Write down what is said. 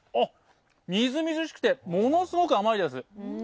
みずみずしくてものすごく甘いです！